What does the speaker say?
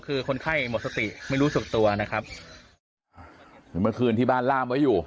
คือคนไข้หมดสติไม่รู้สึกตัวนะครับคือเมื่อคืนที่บ้านล่ามไว้อยู่